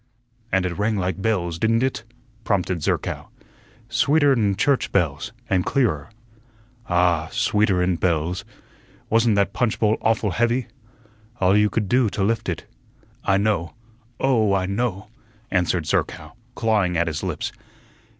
"And it rang like bells, didn't it?" prompted Zerkow. "Sweeter'n church bells, and clearer." "Ah, sweeter'n bells. Wasn't that punch bowl awful heavy?" "All you could do to lift it." "I know. Oh, I know," answered Zerkow, clawing at his lips.